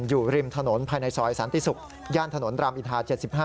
อยู่ริมถนนภายในซอยสันติศุกร์ย่านถนนรามอินทา๗๕